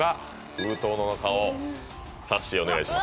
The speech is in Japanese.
封筒の中をさっしーお願いします